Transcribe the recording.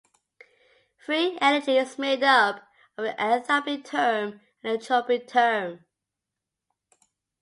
Free energy is made up of an enthalpy term and an entropy term.